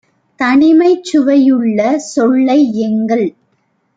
தனிமைச் சுவையுள்ள சொல்லை - எங்கள்